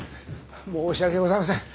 申し訳ございません